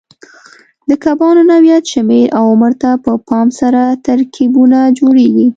د کبانو نوعیت، شمېر او عمر ته په پام سره ترکیبونه جوړېږي.